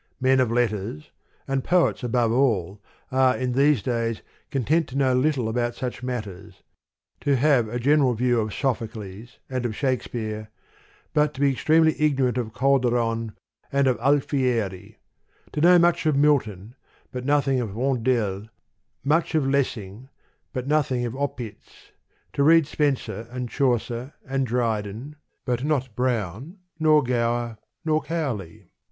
Men of letters, and poets above all, are in these days content to know little about such matters : to have a general view of Sophocles and of Shakespeare, but to be extremely ignorant of Calderon and of Al fieri; to know much of Milton, but nothing of Vondel, much of Lessing, but nothing of Opitz : to read Spenser, and Chaucer, and Dryden, but not Browne, nor Gower, nor Cowley.